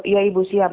iya ibu siap